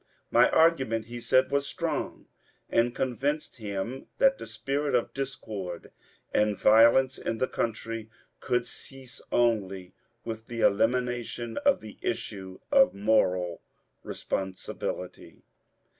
My argument, he said, was strong and convinced him that the spirit of discord and violence in the country could cease only with the elimination of the issue of moral responsibility.